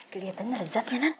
keliatannya rejat ya nan